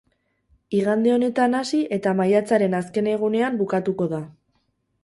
Igande honetan hasi eta maiatzaren azken egunean bukatuko da.